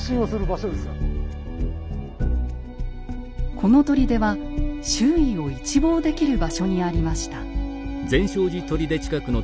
この砦は周囲を一望できる場所にありました。